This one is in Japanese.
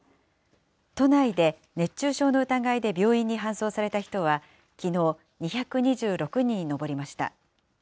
都内で熱中症の疑いで病院に搬送された人は、きのう２２６人に上りました。